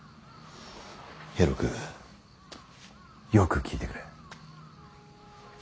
平六よく聞いてくれ。